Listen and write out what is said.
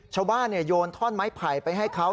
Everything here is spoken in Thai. ชาวบ้านโยนท่อนไม้ไผ่ไปให้เขา